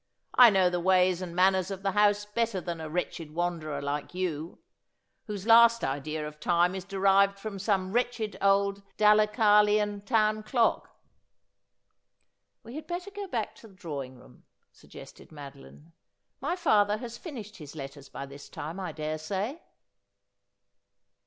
I know the ways and manners of the house better than a v.retched wanderer like you, whose last idea of time is derived from some wretched old Dalecarlian town clock.' 'We had better go back to the drawing room,' suggested Madoline. ' My father has finished his letters by this time, I daresay.'